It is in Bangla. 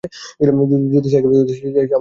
যদি সে একই ব্যাক্তিও হয় সে আমাদের প্রতিবেশী।